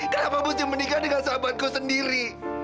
kenapa boce menikah dengan sahabatku sendiri